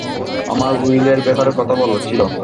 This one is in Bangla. আমার উইলের ব্যাপারে কথা বলার ছিল।